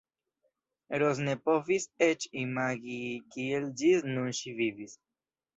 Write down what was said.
Ros ne povis eĉ imagi kiel ĝis nun ŝi vivis.